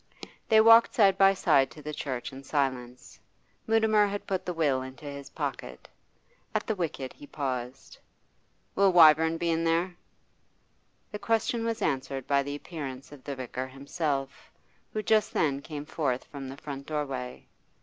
They walked side by side to the church in silence: Mutimer had put the will into his pocket. At the wicket he paused. 'Will Wyvern be in there?' The question was answered by the appearance of the vicar himself, who just then came forth from the front doorway.